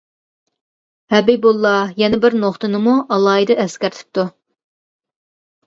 ھەبىبۇللا يەنە بىر نۇقتىنىمۇ ئالاھىدە ئەسكەرتىپتۇ.